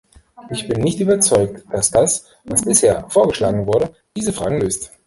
Ich bin nicht überzeugt, dass das, was bisher vorgeschlagen wurde, diese Fragen löst.